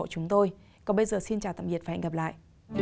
còn bây giờ xin chào tạm biệt và hẹn gặp lại